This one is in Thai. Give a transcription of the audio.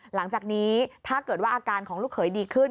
หลังจากนี้ถ้าเกิดว่าอาการของลูกเขยดีขึ้น